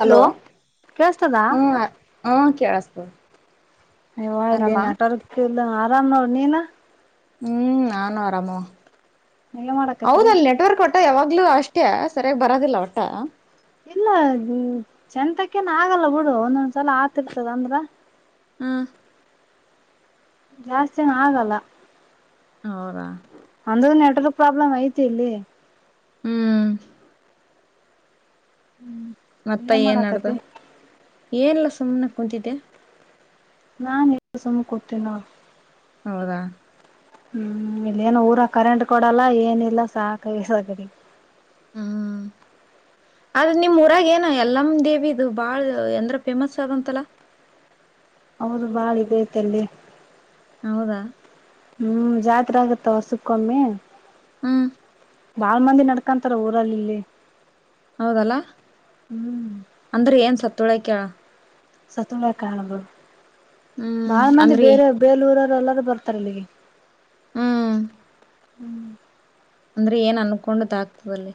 Hello ಕೇಳ್ಸ್ತದ ಹ್ಮ ಹ ಕ ಆಳಷ್ಟ ಅಯ್ವಾ ಇಲ್ಲಿ ನಟರ್ಕ್ ಇಲ್ಲ ಆರಾಮ್ನ ಅವ್ ನೀನಾ ಹ್ಮ್ ನಾನು ಆರಾಮ ನೀವ್ ಏನ್ ಹೌದ ಮಾಡಾಕತ್ರಿ ಅಲ್ ನೆಟ್ವರ್ಕ್ ಹೊಟ್ಟ ಯಾವಾಗ [unintelligible] ಮಗ್್ಲುೂ ಅಷ್ಟೇ ಸರಿಯಾಗಿ ಬರೋದಿಲ್ಲ ಒಟ್ಟ ಇಲ್ಲ ಚಂತಕ್ಕೇನ ಆಗಲ್ಲ ಬಿುಡು ಒಂದೊಂದ್ ಸಲ ಆತಿರ್ತದ ಅಂದ್ರ ಹಾ ಜಾಸ್ತಿನ ಆಗಲ್ಲ ಹೌರಾ [unintelligible] ಅಂದ ನೆಟ್ವರ್ಕ್ ಪ್ರಾಬ್ಲಮ್ ಐತಿ ಇಲ್ಲಿ ಹ್ಮ್ ಮತ್ತ ಏನ್ ನಡ್ದ ಏನಲ್ಲ ಸುಮನೆ ಕುಂತಿದ್ದೆ ನಾ ಎ ಸುಮ ಕೊತೇನ [unintelligible] ಹೌದಾ ಹ್ಮ್ ಇಲ್ಲೇಏನ ಊರ ಕರೆಂಟ್ ಕೊಡಲ್ಲ ಏನಿಲ್ಲ ಸಾಕಸಕರಿ ಹ್ಮ್ ಆದ್ ನಿಮ್ಮ್ ಊರಾಗೇನು ಯಲ್ಲಮ ದೇವಿದು ಬಾಳ್ ಎಂದ್ರ ಫೇಮಸ್ ಆಗಂತಲ್ಲ ಹೌದು ಬಾಳ ಇದ ಐತಲ್ಲಿ ಹೌದಾ ಹ್ಮ್ ಜಾ ಆಗತ್ತ ಹೊಸುಕ್ಕೊಮ್ಮೆ ಹಾ ಬಾಳ್ ಮಂದಿ ನಡ್ಕಂತಾರ ಊರಲ್ಲಿ ಇಲ್ಲಿ ಹೌದಲ್ಲ ಹ್ಮ್ ಅಂದ್ರೆ ಏನ್ ಸತ್ತ ತುಳಕ ಸತ್ತುಳ ಕಾಣಬ ಹ್ಮ್ ಬಾಳ ಮಂದಿ ಅಂದ್ರಿ ಬೇರೆ ಬೇಲೂರಲ್ಲಿ ಎಲ್ಲರ ಬರ್ತಾರೆ ಇಲ್ಲಿಗೆ ಹ್ಮ್ ಹ್ಮ್ ಅಂದ್ರೆ ಏನ್ ಅನ್ಕೊಂಡದ ಆಗ್ತದಲ್ಲಿ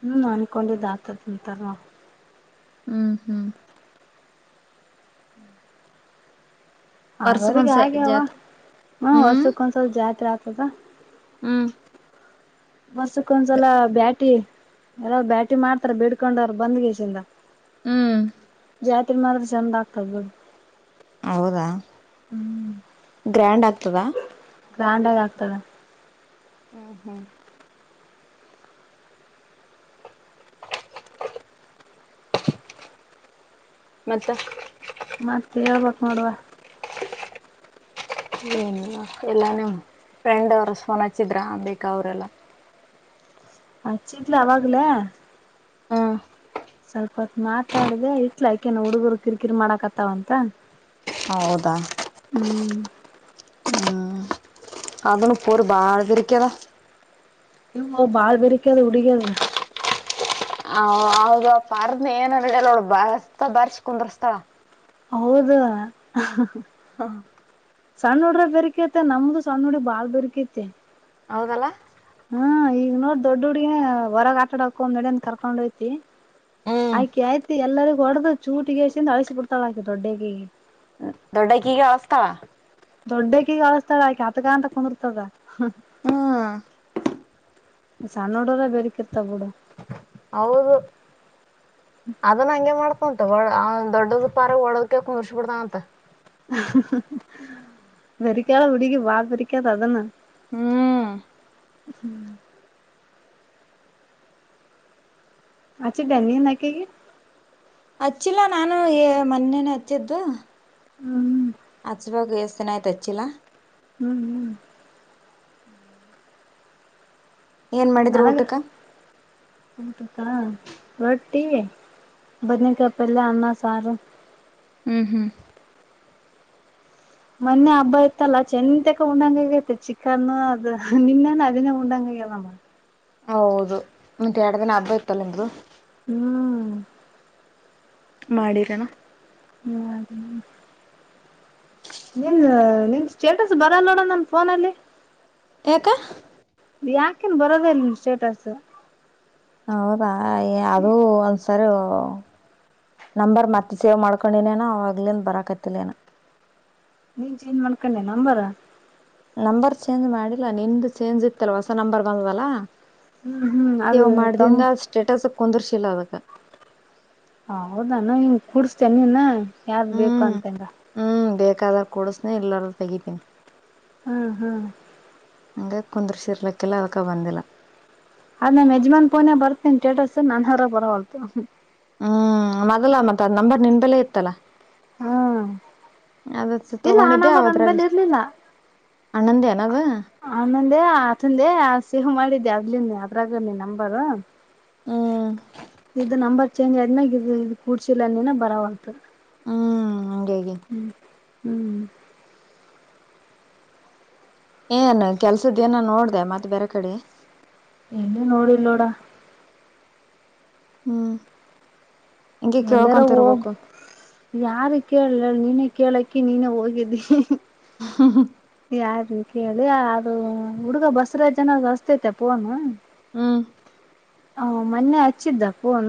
ಹ್ಮ್ ಅನ್ಕೊಂಡಿದ್ದ್ ಆತದ್ಂತಾರವಾ ಹ್ಮ್ ಹ್ಮ್ ಹ್ಮ್ ಆಗೋಗ ಹಾಗಗ್ಯವ ಜಾತ್ರೆ ಹ ಹ್ಮ್ ವರ್ಷಕ್ ಒಂದ್ ಸ್ವಲ್ಪ ಜಾತ್ರೆ ಆಗ್ತ ಹದಾ ಹ್ಮ್ ಬಸ್ಸಕ್ ಒಂದ್ಸಲ ಬ್ಯಾಟಿ ಎಲ್ಲರು ಬ್ಯಾಟಿ ಮಾಡ್ತಾರ ಬ ಬಿಡ್ಕೊಂಡರು ಬಂದ್ಗೇಶಿಂದ ಹ್ಮ್ ಜಾತ್ ಮಾತ್ರ ಚಂದ ಆಗ್ತ ಹೌದಾ ಗ್ರ್ಯಾಂಡ್ ಆಗ್ತದಾ ಗ್ರ್ಯಾಂಡ್ ಆಗ ಆಗ್ತದೆ ಹ್ಮ್ ಹ್ಮ್ ಮತ್ತ ಮತ್ತೆ ಹೇಳ್ಬೇಕಕ್ ನೋಡುವ ಏನ್ ಎಲ್ಲಾನಮ್ ಫ್ರೆಂಡ್ ಅವ್ರ ಸ್ಫೋನ್ ಹಚ್ಚಿದ್ರ ಬೇಕಾ ಅವ್ರಲ್ಲ ಅ ಚೀತ್ಲ ಅವಾಗಲ ಹಾ ಮಾತಾಡಿದೆೆ ಇಟ್ಲಯ್ಕೇನ ಹುಡುಗರು ಕಿರಿಕಿರಿ ಮಾಡಾಕತ್ತಾವಂತ ಹೌದಾ ಹ್ಮ್ ಅದನ್ನು ಇಪ್ಪರು ಬಾಳತಕದಾ ಇವು ಬಾಳ್ ಬೆರಕದು ಹುಡುಗ್ರೆದು ಹ ಹೌದ ಪಾರದನ ಏನಲ್ಲ ಅವಳ ಬಸ್ತ ಬಾರಸ್ ಕುಂದ್ರ ಸ್ಥಳ ಹೌದ ಹಾ ಸಣ್ಣ ನುಡ್ರೆ ಬೆರ್ಕತೆ ನಮ್ದು ಸಣ್ಣ ನುಡಿ್ರ ಬಾಳ್ ಬೆರ್ಕೈತೆ ಹೌದಲ್ಲ ಹ್ಮ ಈಗ ನೋಡ್ ದೊಡ್ಡ ಹುಡಿಗಿನೇ ಹೊರಗ ಆಟ ಆಡ ಹೋಮ ನಡಿ ಅಂತ ಕರ್ಕೊಂಡ್ ಹೋಯ್ತಿ ಅಕಿ ಆಯ್ತ ಎಲ್ಲರಿಗಿ ಹೊಡದ ಚೂಟಿಗೆಸಿಂದ ಅಳಿಸಿ ಬಿಡತಾಳ ಅಕಿ ದೊಡ್ಡಕಿಗಿ ದೊಡ್ಡಕೀಗ ಅಳಸತಾಳ ದೊಡ್ಡಕ್ಕೀಗೆ ಅಳಸತಾಳ ಆಕಿ ಅತಗ ಅಂತ ಕುಂದರ್ತದ ಹೂ ಸಣ್ಣ ಹುಡುಗುರೆ ಬರಿಕಿ ಇರ್ತಾವ ಹೌದು ಅದನ್ನ ಹಂಗೆ ಮಾಡ್ತ ಹೊಡ ದೊಡ್ಡದ ಪಾರಗ ಹೊಡದ ಕುಂದ್ರಿಸಿ ಬಿಡ್ತನ ಅಂತ ಬರೀಕ್ಯಾಲ ಆ ಹುಡುಗಿ ಬಾ ಬೆರಿಕ್ಯಾದ ಅದನ್ನು ಹೂ [inaudible] ಹಚ್ಚಿದೆ ಏನ ನೀನು ಅಕಿಗಿ ಹಚ್ಚಿಲ್ಲ ನಾನು ಏನು ಮೊನ್ನೇನೆ ಹಚ್ಚಿದ್ದು ಹ್ಮ್ ಹಚ್ಚಬೇಕು ಎಸ ಏನ ಆಯ್ತಾ ಹಚ್ಚಿಲ್ಲ ಹು ಹು [inaudible] ಏನ್ ಮಾಡಿದ್ರು ಊಟಕ್ಕೆ ಊಟ ರೊಟ್ಟಿ ಬದ್ನೇಕಾಯಿ ಪಲ್ಯ ಅನ್ನ ಸಾರು ಹು ಹು ಮೊನ್ನೆ ಹಬ್ಬ ಇತ್ತಲ್ಲ ಚೆಂತಕ ಉಂಡಂಗ ಆಗಯಿತಿ ಚಿಕನ ಅದು ನಿನ್ನೆನು ಅದಿನೆ ಉಂಡಂಗ ಆಗ್ಯದ ನಮಗ ಹೌದು ಮತ್ತೆ ಎರಡು ದಿನ ಹಬ್ಬ ಇತಲ್ಲ ನಿಮ್ದು ಹು ಮಾಡಿರನ ಹು ನಿನ್ ನಿನ್ ಸ್ಟೇಟಸ್ ಬರಲ್ಲ ನೋಡ ನನ್ನ ಫೋನಲ್ಲಿ ಯಾಕ ಯಾಕೇನ್ ಬರೋದಿಲ್ಲ ನಿನ್ನ ಸ್ಟೇಟಸ್ ಹೌದಾ ಅದು ಒಂದ ಸರಿ ನಂಬರ್ ಮತ್ತೆ ಸೇವ್ ಮಾಡ್ಕೊಂಡಿನೇನ ಅವುಗಳಿಂದ ಬರಕತಿಲ್ಲ ಏನ ನೀನ್ ಸೇವ್ ಮಾಡ್ಕೊಂಡೆ ಏನ ನಂಬರ ನಂಬರ್ ಚೇಂಜ್ ಮಾಡಿಲ್ಲಾ ನಿಂದು ಚೇಂಜ್ ಇತ್ತಲ್ ಹೊಸ ನಂಬರ್ ಬಂದಾದಲ್ಲ ಹ್ಮ್ ಹ್ಮ್ ಅದು ಸೇವ್ ಮಾಡದಿಂದ ತೊಂಬ ಸ್ಟೇಟಸ್ ಕುಂದ್ರಿಸಿಲ್ಲ ಅದಕ ಹೌದಾನ ಹಿಂಗ ಕುಡಸತಿ ಏನ ನಿನ ಯಾವ್ದು ಬೇಕು ಅಂತಿಲ್ಲ ಬೇಕಾದಾಗ ಕೊಡಸತಿನಿ ಇಲ್ಲರದಾಗ ತಗಿತೀನಿ ಹು ಹು ಹಂಗ ಕುಂದ್ರಸಿ ಇರಲ್ಲಕಿಲ್ಲ ಅದಕ್ಕ ಬಂದಿಲ್ಲ ಅದ ನಮ್ಮ ಯಜಮಾನ್ ಫೋನಗ ಬರ್ತದ ಏನ ಸ್ಟೇಟಸ್ ನನದ್ರಾಗ ಬರವಲ್ತು ಹು ಮದಲ ಮತ್ತ ಅದ್ ನಂಬರ್ ನಿನ್ ಬಲ್ಲೆ ಇತ್ತಲ್ಲ ಹ್ಮ್ ಅದ ಇಲ್ಲ ಆನ ತಗೊಂಡಿದ್ದೆ ಬರಂದ ಬೇಲೆ ಅವದ್ರಾಗ ಇರ್ಲಿಲ್ಲ ಅಣ್ಣಂದೇನ ಅದ ಆನಂದೇ ಆತಂದೆ ಸೇವ್ ಮಾಡಿ ಅದಲಿಂದ ಅದ್ರಾಗ ನೀ ನಂಬರ್ ಹ್ಮ ಇ ನಂಬರ್ ಚೇಂಜ್ ಆದ್ಮಾಗ ಇ ಇದ ಕೂಡ್ಸಿಲ್ಲ ಅಂದಿನ ಬರಾವಾಲ್ತು ಗೆ ಹ್ಮ್ ಏನ್ ಕೆಲ್ಸದೇನ ನೋಡ್ದ ಮತ್ತೆ ಬೇರೆ ಕಡೆ ಇನ್ನು ನೋಡಿಲ್ಲೋಡ ಹ್ಮ ಎಲ್ಲಾರ ಹೋಗ ಯಾರ ಕೇಳ ನೀನ ಕೇಳಕಿ ನೀನು ಹೋಗಿದ್ದೀನಿ ಹ್ಮ ಯಾರಿ ಕೇಳಿ ಅದು ಹುಡುಗ ಬಸರಾಜನ ಅಚ್ಚಟೈತೆ ಫೋನು ಹ್ಮ್ ಮೊನ್ನೆ ಹಚ್ಚಿದಿದ್ದ ಫೋನ್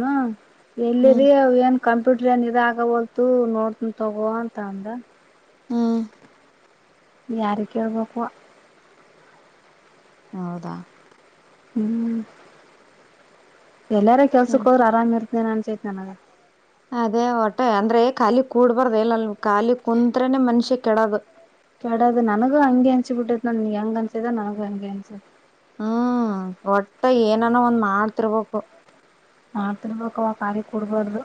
ಹ್ಮ್ ಎಲ್ಲಿದೆ ಅವ ಏನ್ ಡನ್ ಇದ ಆಗಬಲ್ತು ನೋಡ್ತನ ತಗೋ ಅಂತ ಅಂದ ಹಾ ಯಾರ ಕೇಳ್ಬೇಕವ ಹೌದಾ ಹ್ಮ್ ಎಲ್ಲಾರ ಕೆಲ್ಸಕ್ ಹ್ಮ್ ಹೋದ್ರ ಆರಾಮ ಇರ್ತೇನೆ ಅನ್ಸೈತಿ ಜನರೇ ಅದೇ ಹೊಟ್ಟೆ ಅಂದ್ರೆ ಖಾಲಿ ಕೂಡ್ಬಾರ್ದ ಇಲ್ಲಲ್ ಖಾಲಿ ಕುಂತ್ರೆನೇ ಮನುಷ್ಯ ಕೆಡದು ಕಡೆಗೂ ನನಗೂ ಹಂಗೆ ಅನ್ಸಿ ಬಿಟ್ಟೈ ನ ಹೆಂಗ ಅನ್ಸಿದೆ ನನಗೂ ಹಂಗೆ ಅನ್ಸ ಹ್ಮ್ ಒಟ್ಟು ಏನಾನೋ ಒಂದ್ ಮಾಡ್ತಿರರ್ಬೇಕು ಆ ತಿಂಬ್ರುಳಕಾಯಿ ಖಾಲಿ ಕೂಡುಬಾರದು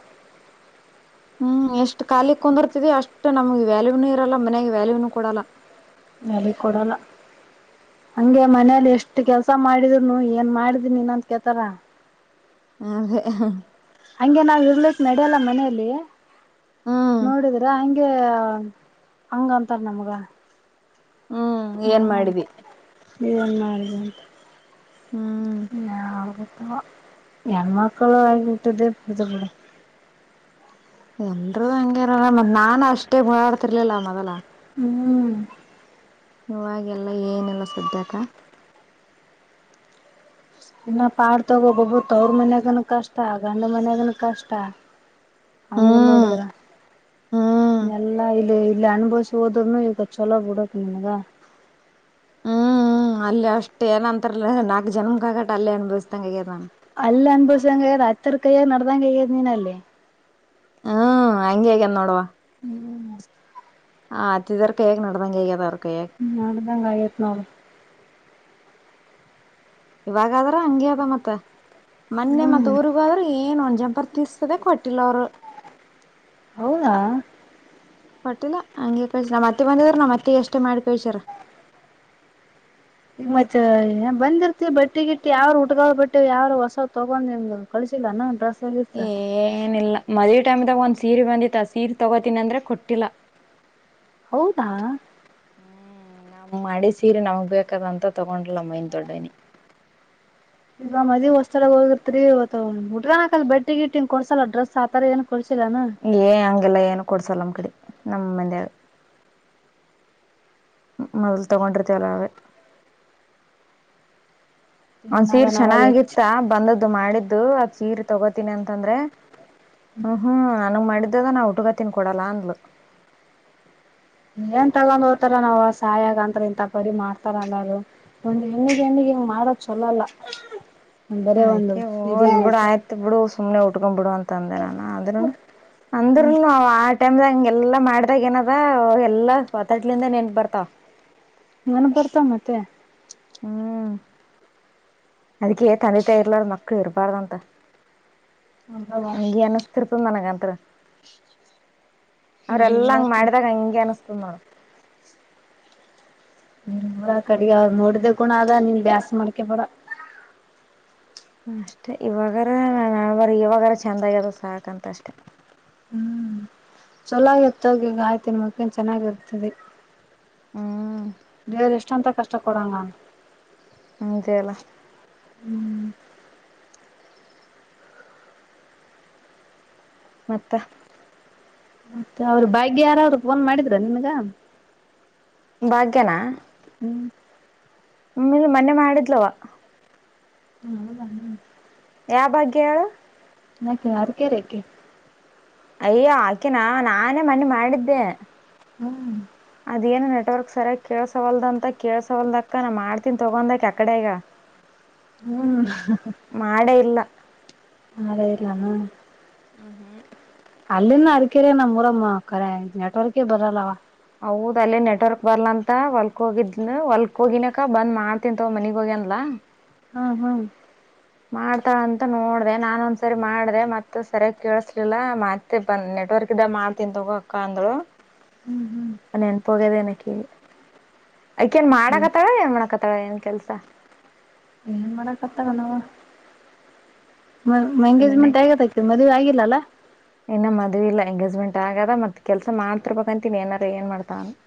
ಹ್ಮ್ ಎಷ್ಟ್ ಖಾಲಿ ಕುಂದಿರ್ತವಿ ಅಷ್ಟ್ ನಮ್ಗ್ ವ್ಯಾಲ್ಯೂನು ಇರಲ್ಲ ಮನೆಯಾಗ ವ್ಯಾಲ್ಯೂನುೂ ಕೊಡಲ್ಲ ಬೆಲಿ ಕೊಡಲ್ಲ ಹಂಗೆ ಮನೇಲಿ ಎಷ್ಟು ಕೆಲ್ಸ ಮಾಡಿದ್ರುನು ಏನ್ ಮಾಡಿದೀನು ಅಂತ ಕೇಳ್ತಾರಾ ಹಂಗೆ ಹ್ಮ [unintelligible] ನಡೆಯಲ್ಲ ಮನೆಯಲ್ಲಿ ಹ್ಮ್ ನೋಡಿದ್ರ ಹಂಗೆ ಹಂಗಂತಾರ ನಮಗ ಹ್ಮ್ ಏನ್ ಮಾಡಿದಿ ಏನ್ ಮಾಡಿದ್ಯಾ ಅಂತ ಹ್ಮ್ ನಾವು ಬತ್ತು ಹೆಣ್ಮಕ್ಕಳು ಹುಟ್ಟೀದೇ ವಿಚಾರಿಸಿ ಎಲ್ರೂ ಹಂಗು ಇರಲ್ಲ ನಾನು ಅಷ್ಟೇ ಓಡಾಡ್ತಿರ್ಲಿಲ್ಲ ಮೊದಲು ಹ್ಮ ಇವಾಗೆಲ್ಲ ಏನೆಲ್ಲ ಸದ್ಯಕ ಇನ್ನ ಪಾಡು ತಗೋಬೇಕು ತವ್ರ ಮನ್ಯಾಗನು ಕಷ್ಟ, ಗಂಡನು ಮನ್ಯಾಗನು ಕಷ್ಟ. ಹಂಗ ಹ್ಮ್ ನೋಡಿದ್ರೆ ಹ್ಮ್ ಎಲ್ಲಾ ಇಲ್ಲಿ ಇಲ್ಲಿ ಅನುಭವಿಸಿ ಹೋದನು ಈಗ ಚಲೋ ಬಿಡಕ್ ನನಗ ಹ್ಮ್ ಹ್ಮ್ ಅಲ್ಲ ಅಷ್ಟ್ಟು ಏನಂತಾರಲ್ಲ ನಾಕ್ ಜನ್ಮಕ್ ಆಗಟ್ ಅಲ್ಲಿ ಅನಭವಿಸ್ದಂಗ ಆಗ್ಯದ ಅಲ್ಲ ಅನ್ಭವಸಂಗೆ ಆಗ್ಯದ ಅತ್ಯರ್ ಕೈಯ ನಡದಂಗ ಆಗ್ಯದ ನೀನ್ ಅಲ್ಲೇ. ಹ್ಮ್ ಹಂಗೆ ಆಗ್ಯದ ನೋಡವ್ವಾ. ಹ್ಮ್ ಆ ಅತ್ತಿದೆರ್ ಕೈಯಾಗ ನಾಡದಂಗೆ ಆಗ್ಯದ ಅವ್ರ. ಕೈಯಾಗ ಹ್ಮ್ ನಡದಂಗ್ ಅಗೆತಿ ನೋಡ್ ಇವಾಗಾದ್ರ ಹಂಗಿ ಅದ ಮತ್ತ ಮೊನ್ನೆ ಹ್ಮ್ ಮತ್ತ ಊರಿಗೋದ್ರೆ ಏನ್ ಒಂದ್ ಜಂಪ ಅಟ್ಲಿಸ್ಟ್ ಗೆ ಕೊಟ್ಟಿಲೋರು. ಹೌದಾ ಕೊಟ್ಟಿಲ್ಲ ಹಂಗೆ ಕಳ್ಸ ನಮ್ಮ ಅತ್ತೆ ಬಂದಿದ್ರ ನಮ್ ಅತ್ತೆಗ್ ಅಷ್ಟೇ ಮಾಡಿ ಕಳ್ಸಾರ. ಈ ಮತ್ತೆ ಬಂದಿರ್ತಿ ಬಟ್ಟಿ ಗಿಟ್ಟ ಯಾರ ಊಟ್ಗ ಬಟ್ಟಿ ಯಾರ ಹೊಸ್ ತೊಗೊಂಡ್ ನಿ ಕಳಸಿಲ್ಲ ಏನ್ ಡ್ರೆಸ್. ಗಿಸ್ ಏ ಏನಿಲ್ಲ ಮದವಿ ಟೈಮ್ದಾಗ ಒಂದು ಸೀರೆ ಬಂದಿತ್ತು ಸೀರೆ ತಗೋತೀನಿ ಅಂದ್ರೆ ಕೊಟ್ಟಿಲ್ಲ ಹೌದಾ ಹ್ಮ ನಮ್ಮ ಹಳಿ ಸೀರೆ ನಮಗ್ ಬೇಕಾದಂತ ತಗೊಂಡಿಲ ನಮ್ಮ ವೈನಿ ದೊಡ್ಡ ವೈನಿ ಈಗ ಮದ್ವೆ ಹೊಸ್ತಳಗ ಹೋಗಿರ್ತ್ರಿ ಅವತ್ತ ಉಟ್ಟ್ಕೋ ಲಾಕ್ ಬಟ್ಟಿಗಿಟ್ಟೀನ್ ಕೊಡ್ಸಲ್ಲ ಡ್ರೆಸ್ ಆತರ ಏನ್. ಕೊಡ್ಸಿಲ್ಲಾನ ಏ ಹಂಗೆಲ್ಲಾ ಏನು ಕೊಡ್ಸಲ್ಲ ನಮ್ ಕಡಿ. ನಮ್ಮ ಮನೆಯವರು ಮ್ಮ್ ಮೊದಲ್ ತಗೊಂಡಿರ್ತೆವ್ಲಾ ಅವೇ. ಒಂದ್ ಏನಾದ ಸೀರ್ ನಾವ ಹೆಚ್ಚ ಚೆನ್ನಾಗಿತ್ತ ಬಂದದ್ದು ಮಾಡಿದ್ದು ಅದ್ ಸೀರ್ ತಗೋತೀನಿ ಅಂತಂದ್ರೆ. ಹ ಹಾ ನನಗ್ ಮಾಡಿದ್ದದ ನಾ ಉತ್ಕೋತೀನಿ ಕೊಡಲ್ಲ ಅಂದ್ಳು. ಏನ್ ತಗೊಂಡ್ ಹೋಗ್ತಾರ ನಾವ್ ಸಾಯಗಂಟ್ ಇಂಥ ಬರಿ ಮಾಡ್ತಾರ ಅಲ್ಲರು ಒಂದ್ ಹೆಣ್ಣಿಗೆ ಹೆಣ್ಣಿಗ್ ಹಿಂಗ್ ಮಾಡದ ಚೊಲೋ ಅಲ್ಲಾ. ಅದ್ಕ ಹೋಲ್ ಬಿಡು ಆಯ್ತ್ ಬಿಡು ಸುಮ್ನೆ ಉಟ್ಕೊ್ ಬಿಡು ಅಂತ ಅಂದೇ ನಾನು. ಅದ್ರೂನು ಹ್ಮ್ ಅಂದ್ರೂನು ಆ ಟೈಮ್ದಾಗ್. ಹಂಗೆಲ್ಲಾ ಮಾಡ್ದಾಗ ಏನದ ಎಲ್ಲಾ ಒತಡ್ಲಿಂದ ನೆನ್ಪ ಬರ್ತವ. ನೆನಪ್ ಬರ್ತವ ಮತ್ತೆ. ಹ್ಮ್ ಅದಕ್ಕೆೇ ತಂದಿ ತಾಯಿ ಇರಲಾರದ ಮಕ್ಕಳ ಇರಬಾರದಂತ. ಹೌದವಾ ಹಗೆ ಅನಸ್ಥಿರತ ನನಗ ಅತ್ರ್ರ ಹ್ಮ್ ಹ್ಮ್ ಅವ್ರೆಲ್ಲಾ ಹಂಗ ಬರ್ತೀನಿ ಮಾಡಿದಾಗ ಹಂಗೆ ಅನ್ಸ್ತ ಸುಮಣ ನೀನ್ಡ ಕಡಿಗ ನೋಡಿದ್ದೆ ಕೂಣ ಅದ ನಿನ್ ಬ್ಯಾಸ ಮಾಡ್ಕೆ ಬಡ ಅಷ್ಟೆ ಇವಾಗಾರ ನ ಇವಾಗಾರ ಚೆಂದಾಗಿ್ಯದ ಸಾಕಂತ ಅಷ್ಟೆ ಹ್ಮ್ ಚೊಲಾಗಿ ಎತ್ತೋಗಿ ಗಾಯ್ ತಿನ್ ಮಕನ್ ಚೆನ್ನಾಗಿರ್ತದೆ ಹ್ಮ್ ಬೇರೆ ಎಷ್ಟ ಎಷ್ಟು ಅಂತ ಕಷ್ಟ ಪಡಂ ನಾವು ಹ್ಮ ಜೇಲ ಹ್ಮ್ ಮತ್ತ ಮತ್ತೆ ಅವ್ರ ಬಾಗ್ಯ ಯಾರ ಅವ್ರು ಫೋನ್ ಮಾಡಿದ್ರ ನಿಮ್ಗ ಭಾಗ್ಯ ನಾ ಹ್ಮ ಇಲ್ ಮನೆೆ ಮಾಡಿದ್ಲವ [unintelligible] ಯಾವ ಭಾಗ್ಯ ಹೇಳು ಆಕೆ ಅರಿಕೆರೆಕ್ಕೆ ಅಯ್ಯೋ ಆಕಿನಾ ನಾನೇ ಮೊನ್ನೆ ಮಾಡಿದ್ದೆ ಹ್ಮ್ ಅದೇನು ನೆಟ್ವರ್ಕ್ ಸರಿ ಕೇಳಸವಲ್ದಂತ ಕೇಳಳ್ಸವಲ್ದಕ್ಕ ನಾ ಮಾಡ್ತೀನಿ ತೊಗೊ ಅಂದಾಕಿ ಅಕಡೆ ಆಗ್ಯಳ ಹ್ಮ್ ಇಲ್ಲ ಆರಾಮ್ ಇಲ್ಲೇನೋ ಹ ಹಾ ಅಲ್ಲಿಂದ ಅರಿಕೆರೆ ನಮ್ಮ ಊರಮ್ಮ ಕರೆ ನೆಟ್ವರ್ಕ ಬರಲ್ಲವ ಹೌದ್ ಅಲ್ಲೇ ನೆಟ್ವರ್ಕ್ ಬರ್ಲಂತ ಹೊಲ್ಕ್ ಹೋಗಿದ್ ಹೊಲ್ಕ್ ಹೋಗಿನಕ ಬಂದ್ ಮಾಡ್ತೀನಿ ತೊಗೊ ಮನಿಗೆ ಹೋಗಿ ಅಂದ್ಲ ಹಾ ಹಾ ಮಾಡ್ತಾಳಂತ ನೋಡ್ದ ನಾನ ಒಂದ್ಸರಿ ಮಾಡ್ದ ಮತ್ತತ್ ಸರಿಯ ಕೇಳಸ್ಲಿಲ್ಲ ಮತ್ತೆ ಬಂದ ನೆಟ್ವರ್ಕ್ ಇದ್ದ ಮಾಡ್ತೀನ್ ತಗೋಕ್ಕ ಅಂದ್ಲು ಹ್ಮ್ ಹ್ಮ್ ನೆನಪು ಹೋಗದೆನು ಅಕ್ಕಿಗೆ ಏನ್ ಹ್ಮ್ ಮಾಡಾಕತ್ತಾಳ ಏನು ಮಾಡ್ ಹ ಏನ್ ಕೆಲ್ಸ? ಏನ್ ಮಾಡಾಕತ್ತಾಳೇನವ್ವ? ಮ ಮನ್ಯಾಗ ಎಂಗೇಜ್ಮೆಂಟ್ ಆಗ್ಯದ ಆಕಿಂದು ಮದುವೆ ಆಗಿಲ್ಲ ಅಲ್ಲ. ಆಗ್ಯದ ಮತ್ ಕೆಲ್ಸ ಮಾಡ್ತಿರಬೇಕು ಅಂತೀನಿ, ಏನೂ ಏನಾರ ಏನ್ ಮಾಡ್ತಾಳೆ ಏನು?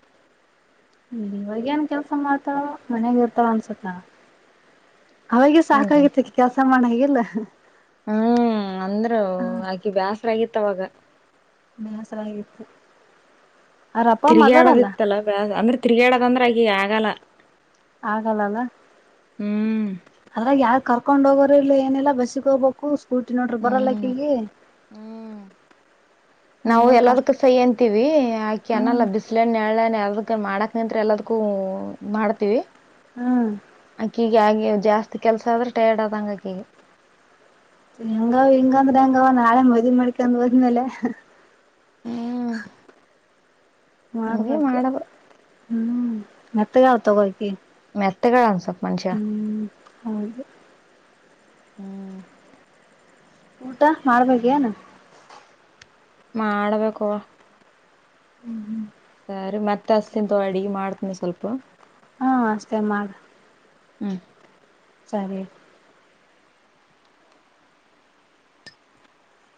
ಇವಾಗೇ ಏನ್ ಕೆಲ್ಸ ಮಾಡ್ತಾರ ಅವ್ವ ಮನೆಗೆ ಇರ್ತಾಳೆ ಅನ್ಸತ್ತ. ಅವಾಗ ಹ್ಮ್ ಸಾಕಾಗಿತಿ ಕೆಲ್ಸ ಮಾಡಾಗೆಲ್ಲ, ಹ್ಮ್ ಅಂದ್ರ ಹ ಆಕಿ ಬ್ಯಾಸರ ಆಗಿತ್ತ ಅವಾಗ ಬೇಸರಾಗಿತ್ತು. ಅವ್ರ ಅಪ್ಪ ಅಮ್ಮ ತಿರ್ಗಾಡದ ಅದಾರಲ್ಲ ಇತ್ತಲ್ಲ ಬ ಅಂದ್ರೆ ತಿರಾಗಾಡದ ಅಂದ್ರೆ ಹ ಆಗಲ್ಲ ಆಗಲ್ಲ ಅಲ್ಲಾ. ಹ್ಮ್ ಅದ ಯಾರ ಕರ್ಕೊಂಡ್ ಹೋಗೋರ್ ಇಲ್ಲಿ ಏನಿಲ್ಲಾ ಬಸ್ಸಿಗೆ ಹೋಗಬೇಕು. ಸ್ಕೂಟಿ ನೋಡ್ರಿ ಬರಲ್ಲ ಹ್ಮ್ ಅಕಿಗೆ. ಹ್ಮ್ ನಾವು ಎಲ್ಲದಕ್ಕ ಸಹಿ ಅಂತೀವಿ ಆಕಿ ಹ್ಮ್ ಅನಲ್ಲ ಬಿಸ್ಲೆನು ನೆರಳೆನು ಎರಡು. ಮಾಡಕ್ ಅಂತ್ರು ಎಲ್ಲದಕ್ಕೂ ಮಾಡ್ತೀವಿ. ಹ್ಮ ಹಗೆ ಜಾಸ್ತಿ ಕೆಲಸ ಆದ್ರೆ ಟೈರ್ಡ್ ಆದ ಹಂಗಕಗೆ. ಹೆಂಗವ ಹಿಂಗಂದ್ರೆ ಹೆಂಗ ಅವ ನಾಳೆ ಮದ ಮಾಡ್ಕೊಂಡ ಬಂದ್ಮೇಲೆ. ಹ್ಮ್ ಹಂಗೆ ಮಾಡ್ಬೇಕು, ಮಾಡದು ಹ್ಮ್ ಮತ್ತಗಾವತ್ತು ಕೊಯಕ ಮಸ ಹ್ಮ್ ಹೌದು. ಹ್ಮ್ ಊಟ ಮಾಡ್ಬೇಕ ನಾನು. ಮಾಡಬೇಕು‌. ಹ್ಮ್ ಹ್ಮ್ ಸರಿ, ಮತ್ತೆ ಹಸಿನ ತೊ ಅಡಿ ಮಾಡ್ತೀನಿ ಸ್ವಲ್ಪ. ಹಾ ಅಷ್ಟೇ ಮಾಡ ಹ್ಮ ಸರಿ